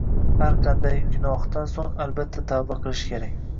Har qanday gunohdan so‘ng albatta tavba qilish kerak.